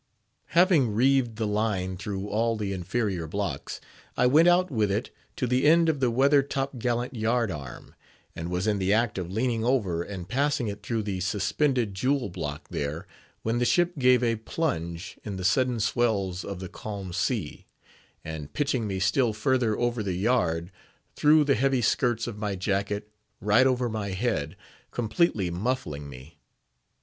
Having reeved the line through all the inferior blocks, I went out with it to the end of the weather top gallant yard arm, and was in the act of leaning over and passing it through the suspended jewel block there, when the ship gave a plunge in the sudden swells of the calm sea, and pitching me still further over the yard, threw the heavy skirts of my jacket right over my head, completely muffling me.